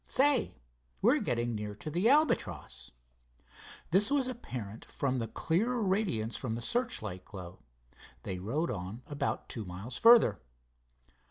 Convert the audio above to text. Say, we're getting near to the Albatross." This was apparent from the clearer radiance from the searchlight glow. They rode on about two miles further.